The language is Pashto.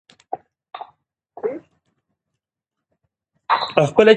اداري مقررات د نظم بنسټ جوړوي.